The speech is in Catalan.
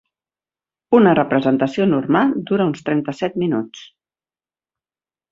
Una representació normal dura uns trenta-set minuts.